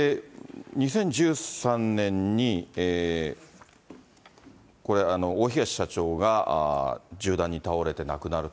２０１３年に大東社長が銃弾に倒れて亡くなる。